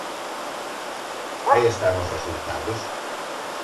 Aí están os resultados.